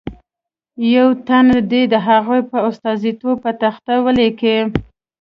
یو تن دې د هغو په استازیتوب په تخته ولیکي.